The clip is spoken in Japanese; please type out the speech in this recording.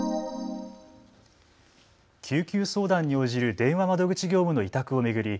救急相談に応じる電話窓口業務の委託を巡り